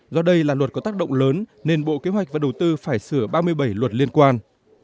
do đây là luật có tác động lớn nên bộ kế hoạch và đầu tư phải sửa ba mươi bảy luật liên quan